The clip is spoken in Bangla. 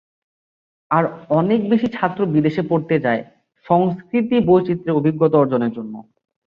আর অনেক বেশী ছাত্র বিদেশে পড়তে যায় সংস্কৃতি বৈচিত্র্যের অভিজ্ঞতা অর্জনের জন্য।